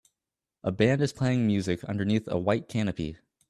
A band is playing music underneath a white canopy